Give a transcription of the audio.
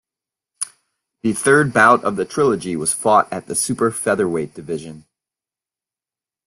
The third bout of the trilogy was fought at the Super Featherweight division.